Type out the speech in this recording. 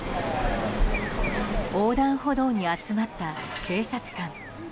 横断歩道に集まった警察官。